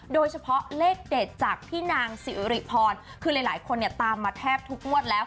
โดยเฉพาะเลขเด็ดจากพี่นางสิริพรคือหลายคนเนี่ยตามมาแทบทุกงวดแล้ว